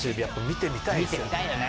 見てみたいよね。